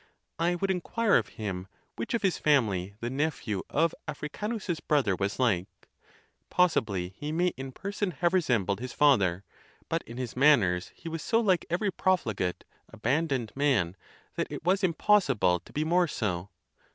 I would inquire of him which of his family the nephew of Africanus's brother was like? Possibly he may in person have resembled his father; but in his manners he was so like every profligate, abandoned man, that it was impossible to be more so.